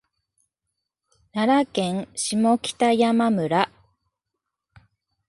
奈良県下北山村